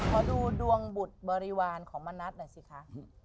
ขอดูดวงบุตรบริวารของมณัฐหน่อยสิคะ